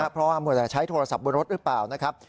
เพราะว่าเมื่อไหร่ใช้โทรศัพท์บนรถหรือเปล่า